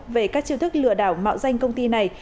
về các chiêu thức lừa đảo mạo danh công ty này